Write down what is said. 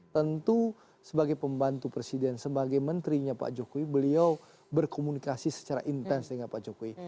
tentu sebagai pembantu presiden sebagai menterinya pak jokowi beliau berkomunikasi secara intens dengan pak jokowi